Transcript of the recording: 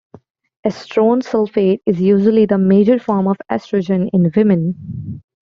Estrone sulfate is usually the major form of estrogen in women.